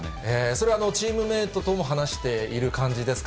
それはチームメートとも話している感じですか。